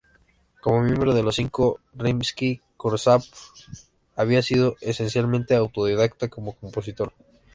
Como miembro de Los Cinco, Rimski-Kórsakov había sido esencialmente autodidacta como compositor.